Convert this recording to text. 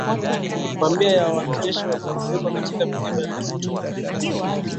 Mamia ya wanajeshi wamepelekwa katika milima ya msituni